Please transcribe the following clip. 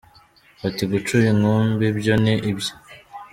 Bati gucura inkumbi byo ni ibye